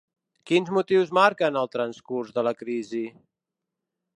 Quins motius marquen el transcurs de la crisi?